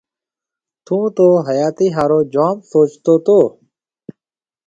ٿُون تو حياتي هارو جوم سوچتو تو